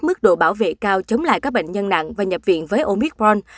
mức độ bảo vệ cao chống lại các bệnh nhân nặng và nhập viện với omicron